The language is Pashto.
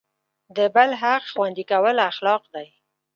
د بل حق خوندي کول اخلاق دی.